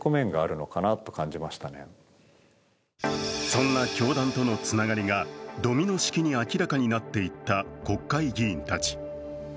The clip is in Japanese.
そんな教団とのつながりがドミノ式に明らかになっていった国会議員たち。